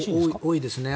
多いですね。